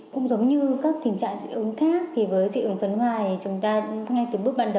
cũng giống như các tình trạng dị ứng khác với dị ứng phấn hoa thì chúng ta ngay từ bước ban đầu